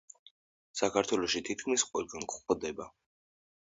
საქართველოში თითქმის ყველგან გვხვდება.